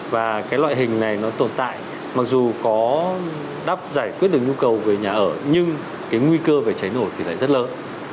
và cái loại hình này nó tồn tại mặc dù có đáp giải quyết được nhu cầu về nhà ở nhưng cái nguy cơ về cháy nổ thì lại rất lớn